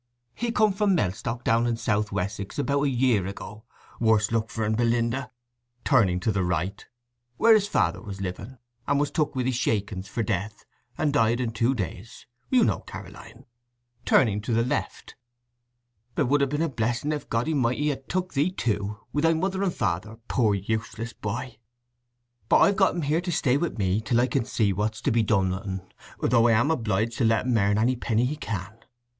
"He come from Mellstock, down in South Wessex, about a year ago—worse luck for 'n, Belinda" (turning to the right) "where his father was living, and was took wi' the shakings for death, and died in two days, as you know, Caroline" (turning to the left). "It would ha' been a blessing if Goddy mighty had took thee too, wi' thy mother and father, poor useless boy! But I've got him here to stay with me till I can see what's to be done with un, though I am obliged to let him earn any penny he can.